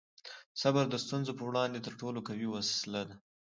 صبر د ستونزو په وړاندې تر ټولو قوي وسله ده.